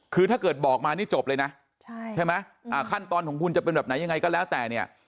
คือถ้าเกิดบอกมานี่จบเลยนะใช่ไหมขั้นตอนของคุณจะเป็นแบบไหนยังไงก็แล้วแต่เนี่ย